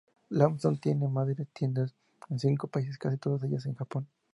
Lawson tiene más de tiendas en cinco países, casi todas ellas en Japón.